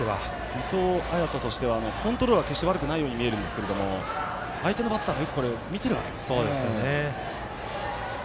伊藤彩斗はコントロールは決して悪くないように見えるんですが相手のバッターがよくこれを見ているわけですから。